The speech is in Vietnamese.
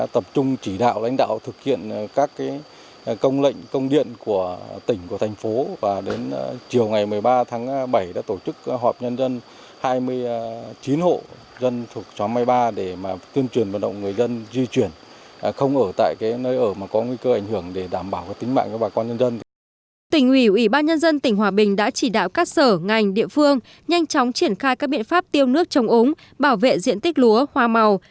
tình ủy ủy ban nhân dân tỉnh hòa bình đã chỉ đạo các sở ngành địa phương nhanh chóng triển khai các biện pháp tiêu nước trồng ống bảo vệ diện tích lúa hoa màu